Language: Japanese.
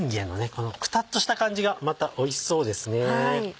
このくたっとした感じがまたおいしそうですね。